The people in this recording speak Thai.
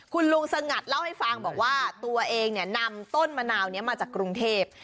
คุณลุงสงัดเล่าให้ฟังบอกว่าตัวเองเนี่ยนำต้นมะนาวนี้มาจากกรุงเทพ